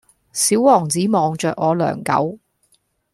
小王子望著我良久